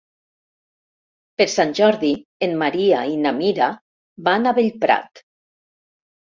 Per Sant Jordi en Maria i na Mira van a Bellprat.